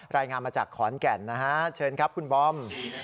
รายงานมาจากขอนแก่นนะฮะเชิญครับคุณบอม